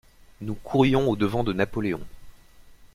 Nous courions au-devant de Napoléon.